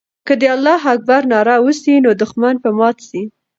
که د الله اکبر ناره وسي، نو دښمن به مات سي.